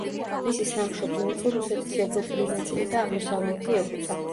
მისი სამშობლო იყო რუსეთის ევროპული ნაწილი და აღმოსავლეთი ევროპა.